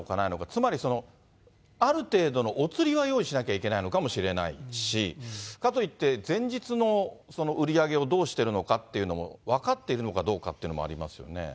つまりある程度のお釣りは用意しなきゃいけないのかもしれないし、かといって前日の売り上げをどうしてるのかっていうのも、分かっているのかどうかっていうのもありますよね。